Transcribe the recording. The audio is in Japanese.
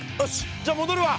じゃ戻るわ。